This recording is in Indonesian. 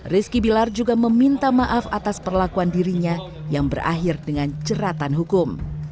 rizky bilar juga meminta maaf atas perlakuan dirinya yang berakhir dengan ceratan hukum